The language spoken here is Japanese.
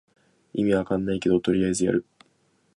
意味わかんないけどとりあえずやる